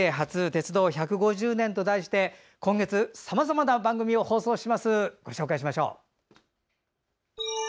鉄道１５０年」と題して今月さまざまな番組を放送します。